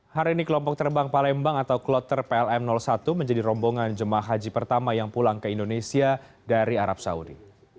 hari ini kelompok terbang palembang atau kloter plm satu menjadi rombongan jemaah haji pertama yang pulang ke indonesia dari arab saudi